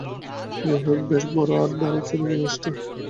যাইহোক, বেশ বড় আর ভারী ছিল জিনিসটা।